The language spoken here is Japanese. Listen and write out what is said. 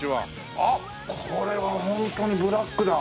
あっこれはホントにブラックだ。